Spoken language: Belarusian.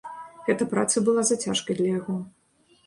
Гэта праца была зацяжкай для яго.